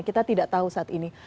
kita tidak tahu saat ini